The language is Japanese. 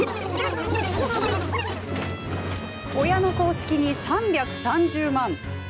親の葬式に３３０万。